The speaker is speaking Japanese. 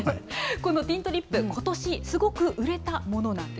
このティントリップ、ことしすごく売れたものなんです。